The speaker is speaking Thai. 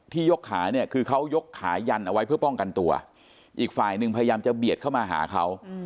ยกขาเนี่ยคือเขายกขายันเอาไว้เพื่อป้องกันตัวอีกฝ่ายหนึ่งพยายามจะเบียดเข้ามาหาเขา